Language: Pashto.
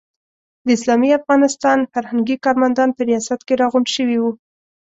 د اسلامي افغانستان فرهنګي کارمندان په ریاست کې راغونډ شوي وو.